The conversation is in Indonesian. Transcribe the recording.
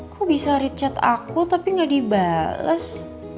kok bisa read chat aku tapi gak dibales